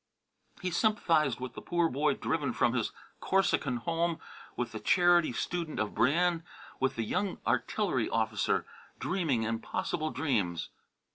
He sympathized with the poor boy driven from his Corsican home, with the charity student of Brienne, with the young artillery officer, dreaming impossible dreams.